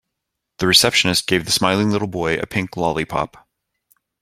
The receptionist gave the smiling little boy a pink lollipop.